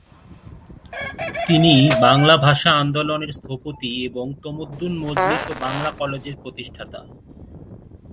তিনি বাংলা ভাষা আন্দোলনের স্থপতি এবং তমদ্দুন মজলিস ও বাঙলা কলেজের প্রতিষ্ঠাতা।